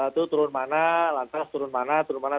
itu turun mana lantas turun mana turun mana